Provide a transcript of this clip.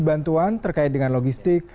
bantuan terkait dengan logistik